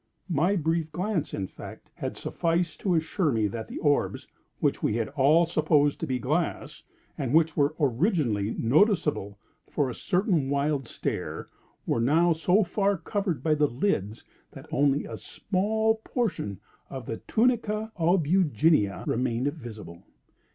My brief glance, in fact, had sufficed to assure me that the orbs which we had all supposed to be glass, and which were originally noticeable for a certain wild stare, were now so far covered by the lids, that only a small portion of the tunica albuginea remained visible.